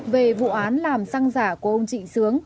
về vụ án làm xăng giả của ông trịnh sướng